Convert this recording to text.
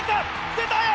センターへ！